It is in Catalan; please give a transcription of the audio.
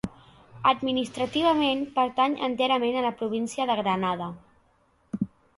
Administrativament pertany enterament a la província de Granada.